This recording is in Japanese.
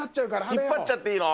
引っ張っちゃっていいの？